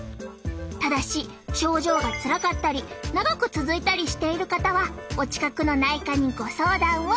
ただし症状がつらかったり長く続いたりしている方はお近くの内科にご相談を！